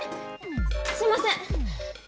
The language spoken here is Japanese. すいません！